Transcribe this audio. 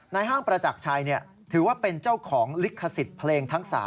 ห้างประจักรชัยถือว่าเป็นเจ้าของลิขสิทธิ์เพลงทั้ง๓